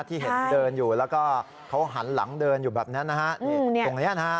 ที่เห็นเดินอยู่แล้วก็เขาหันหลังเดินอยู่แบบนั้นนะฮะนี่ตรงนี้นะฮะ